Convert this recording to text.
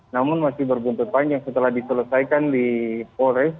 namun masih berbuntut panjang setelah diselesaikan di polres